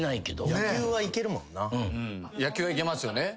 野球はいけますよね。